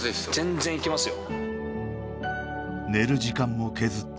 全然いけますよ